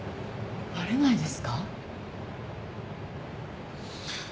バレないですか？